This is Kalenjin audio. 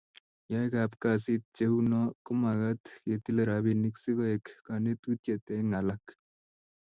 yaik ap kasit cheu noo komakat ketile ropinik sikoek kanetutiet eng alak